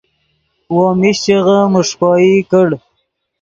وو میشچغے میݰکوئی کڑ